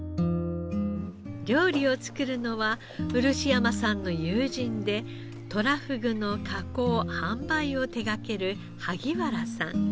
料理を作るのは漆山さんの友人でとらふぐの加工・販売を手掛ける萩原さん。